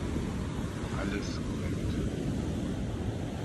Alles korrekt.